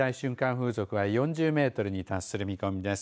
風速は４０メートルに達する見込みです。